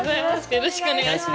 よろしくお願いします。